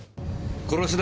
殺しだ！